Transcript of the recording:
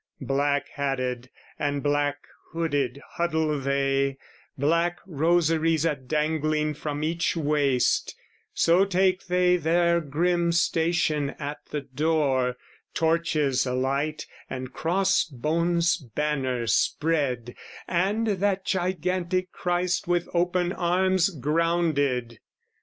Black hatted and black hooded huddle they, Black rosaries a dangling from each waist; So take they their grim station at the door, Torches alight and cross bones banner spread, And that gigantic Christ with open arms, Grounded.